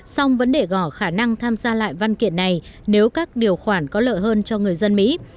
song vẫn để gỏ khả năng tham gia lại văn kiện này nếu các điều khoản có lợi hơn cho người dân mỹ